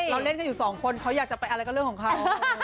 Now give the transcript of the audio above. เล่นกันอยู่สองคนเขาอยากจะไปอะไรก็เรื่องของเขา